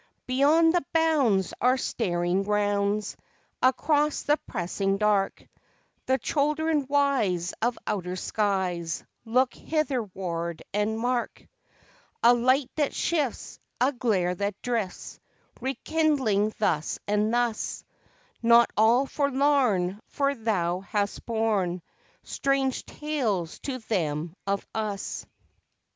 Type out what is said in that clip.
Beyond the bounds our staring rounds, Across the pressing dark, The children wise of outer skies Look hitherward and mark A light that shifts, a glare that drifts, Rekindling thus and thus, Not all forlorn, for Thou hast borne Strange tales to them of us.